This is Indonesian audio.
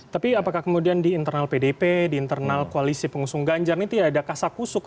tapi apakah kemudian di internal pdp di internal koalisi pengusung ganjar ini tidak ada kasakusuk